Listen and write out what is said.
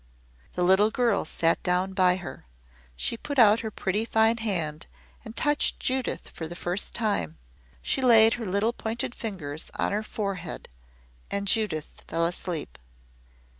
The little girl sat down by her. She put out her pretty fine hand and touched Judith for the first time. She laid her little pointed fingers on her forehead and Judith fell asleep.